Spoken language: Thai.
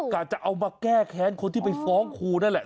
จะเอามาแก้แค้นคนที่ไปฟ้องครูนั่นแหละ